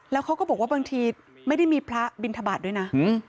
แล้วเขาก็บอกว่าบางทีไม่ได้มีพระบินทบาทด้วยนะ